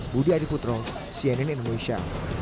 budi adikutro cnn indonesia